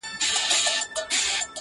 حرص غالب سي عقل ولاړ سي مرور سي -